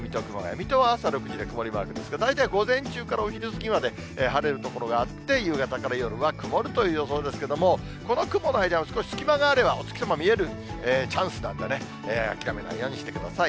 水戸は朝６時で曇りマークですけど、大体午前中からお昼過ぎまで晴れる所があって、夕方から夜は曇るという予想ですけども、この雲の間に、少し隙間があれば、お月様見えるチャンスなんでね、諦めないようにしてください。